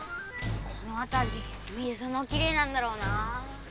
このあたり水もきれいなんだろうな。